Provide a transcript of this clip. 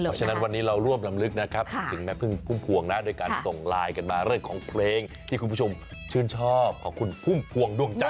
เพราะฉะนั้นวันนี้เราร่วมลำลึกนะครับถึงแม่พึ่งพุ่มพวงนะโดยการส่งไลน์กันมาเรื่องของเพลงที่คุณผู้ชมชื่นชอบของคุณพุ่มพวงดวงจันท